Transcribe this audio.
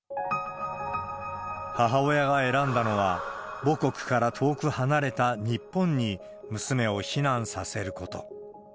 母親が選んだのは、母国から遠く離れた日本に娘を避難させること。